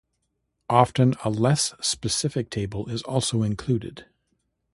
Often, a less specific table is also included.